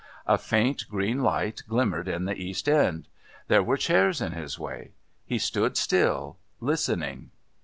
A faint green light glimmered in the East end. There were chairs in his way. He stood still, listening.